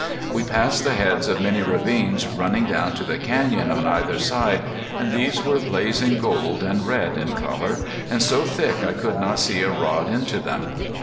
We passed the heads of many ravines running down to the canyons on either side, and these were blazing gold and red in color, and so thick I could not see a rod into them.